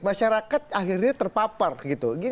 masyarakat akhirnya terpapar gitu